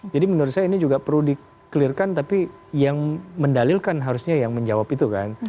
jadi menurut saya ini juga perlu di clear kan tapi yang mendalilkan harusnya yang menjawab itu kan